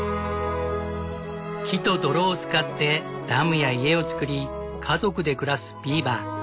木と泥を使ってダムや家を作り家族で暮らすビーバー。